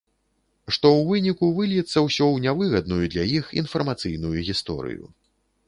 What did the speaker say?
Што ў выніку выльецца ўсё ў нявыгадную для іх інфармацыйную гісторыю.